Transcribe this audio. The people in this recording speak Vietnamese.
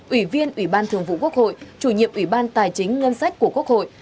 ủy viên ủy ban thường vụ quốc hội chủ nhiệm ủy ban tài chính ngân sách của quốc hội